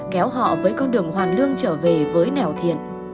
kéo họ với con đường hoàn lương trở về với nẻo thiện